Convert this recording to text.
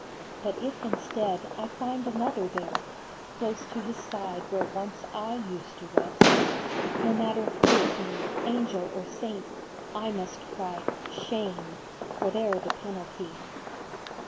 But if, instead, I find another there Close to his side where once I used to rest, No matter who it be, angel or saint, I must cry " Shame !" whate er the penalty.